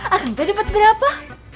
akang teh dapat berapa